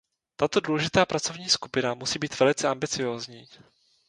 Tato důležitá pracovní skupina musí být velice ambiciózní.